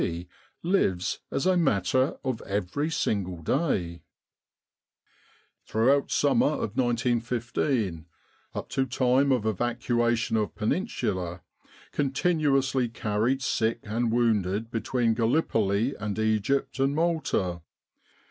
C. lives as a matter of every day : "Throughout summer of 1915 up to time of evacua tion of Peninsula continuously carried sick and wounded between Gallipoli and Egypt and Malta.